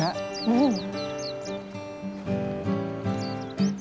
うん。